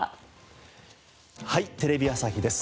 『はい！テレビ朝日です』